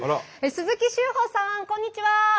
鈴木秀峰さんこんにちは。